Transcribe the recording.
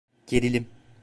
Gerilim…